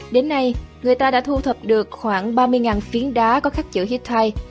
đến nay người ta đã thu thập được khoảng ba mươi phiến đá có khắc chữ hittite